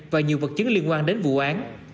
và nhiều vật chứng liên quan đến vụ án